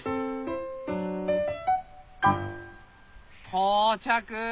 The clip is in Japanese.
到着！